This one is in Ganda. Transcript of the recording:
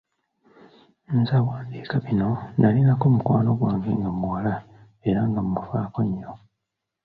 Nze awandiika bino nnalinako mukwano gwange nga muwala era nga mufaako nnyo.